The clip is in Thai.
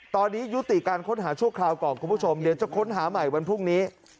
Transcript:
ตอนนี้ยุติการค้นหาชั่วคราวก่อนคุณผู้ชมเดี๋ยวจะค้นหาใหม่วันพรุ่งนี้